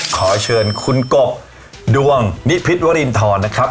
ขอเชิญคุณกบดวงนิพิษวรินทรนะครับ